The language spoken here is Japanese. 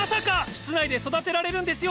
室内で育てられるんですよ